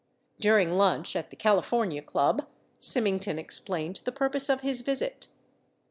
During lunch at the Cali fornia Club, Symington explained the purpose of his visit.